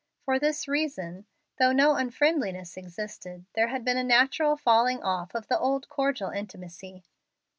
For this reason, though no unfriendliness existed, there had been a natural falling off of the old cordial intimacy.